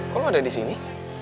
kok lo ada di sini